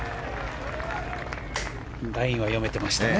ラインは読めてましたね。